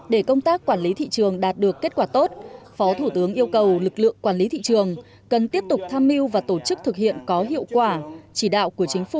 để công tác quản lý thị trường đạt được kết quả tốt phó thủ tướng yêu cầu lực lượng quản lý thị trường cần tiếp tục tham mưu và tổ chức thực hiện có hiệu quả chỉ đạo của chính phủ